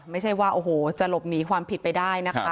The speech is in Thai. ไม่ใช่ว่าโอ้โหจะหลบหนีความผิดไปได้นะคะ